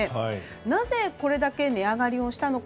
なぜ、これだけ値上がりをしたのか。